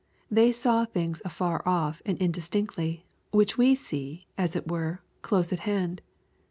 They saw thiogs afar off and indistinctly, which we see, as it were, close at hand.